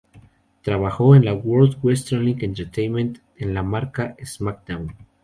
Trabajó en la World Wrestling Entertainment en la marca SmackDown!